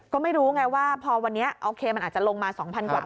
ก็ไม่รู้ไงว่าพอวันนี้โอเคมันอาจจะลงมา๒๐๐กว่า